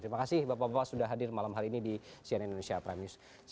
terima kasih bapak bapak sudah hadir malam hari ini di cnn indonesia prime news